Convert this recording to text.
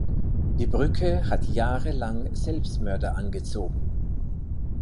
Die Brücke hat jahrelang Selbstmörder angezogen.